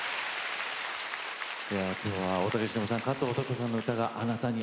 今日は大竹しのぶさん加藤登紀子さんの歌が「あなたに」